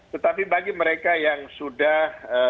tetapi bagi mereka yang sudah